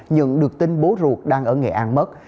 nhận được tin bố ruột đang ở nghệ an mất